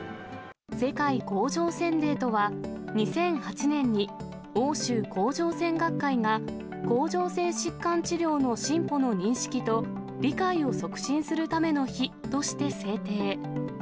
世界甲状腺デーとは、２００８年に欧州甲状腺学会が、甲状腺疾患治療の進歩の認識と理解を促進するための日として制定。